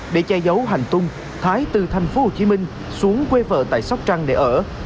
để che giấu hành tung thái từ thành phố hồ chí minh xuống quê vợ tại sóc trăng để ở